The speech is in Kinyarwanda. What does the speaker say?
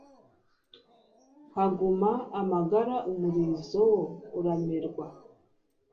haguma amagara umurizo wo uramerwa